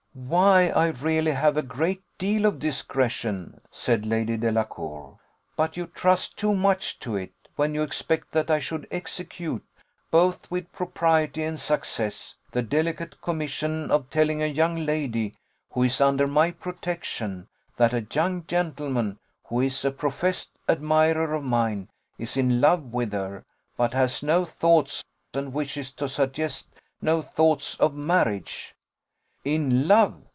"Why I really have a great deal of discretion," said Lady Delacour; "but you trust too much to it when you expect that I should execute, both with propriety and success, the delicate commission of telling a young lady, who is under my protection, that a young gentleman, who is a professed admirer of mine, is in love with her, but has no thoughts, and wishes to suggest no thoughts, of marriage." "In love!"